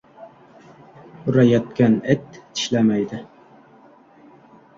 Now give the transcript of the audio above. • Huriyotgan it tishlamaydi.